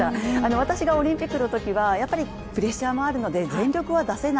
私がオリンピックのときはやっぱりプレッシャーもあるので全力は出せない。